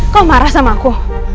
kau marah sama aku